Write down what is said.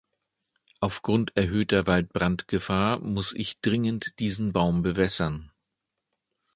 Aufgrund erhöhter Waldbrandgefahr muss ich dringend diesen Baum bewässern.